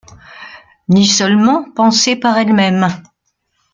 ni seulement penser par elle-même.